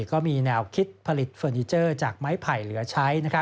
ก็มีแนวคิดผลิตเฟอร์นิเจอร์จากไม้ไผ่เหลือใช้